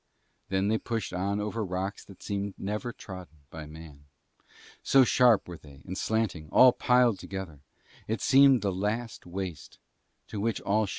Then they pushed on over rocks that seemed never trodden by man, so sharp were they and slanting, all piled together: it seemed the last waste, to which all shapeless rocks had been thrown.